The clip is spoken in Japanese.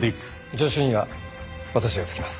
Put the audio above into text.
助手には私がつきます。